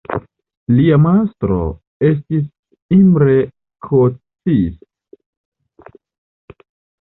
Lia majstro estis Imre Kocsis.